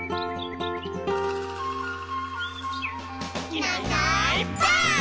「いないいないばあっ！」